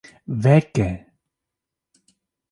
Veke.